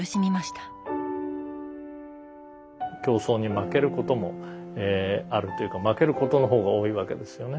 競争に負けることもあるというか負けることの方が多いわけですよね。